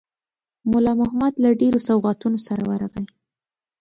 مُلا محمد له ډېرو سوغاتونو سره ورغی.